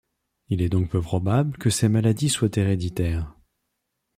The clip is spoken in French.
Il est donc peu probable que ces maladies soient héréditaires.